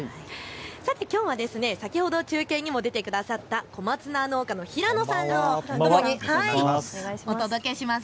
さてきょうは先ほど中継にも出てくださった小松菜農家の平野さんとともにお届けします。